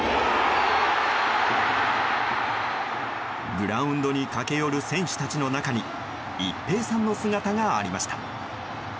グラウンドに駆け寄る選手たちの中に一平さんの姿がありました。